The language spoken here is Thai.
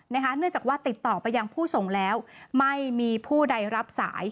เนื่องจากว่าติดต่อไปยังผู้ส่งแล้วไม่มีผู้ใดรับสาย